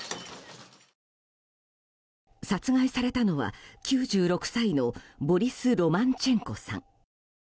殺害されたのは９６歳のボリス・ロマンチェンコさん。